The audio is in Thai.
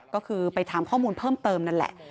ก็คือไปถามข้อมูลเพิ่มเติมนั่นแหละ